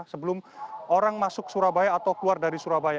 sebelum orang masuk surabaya atau keluar dari surabaya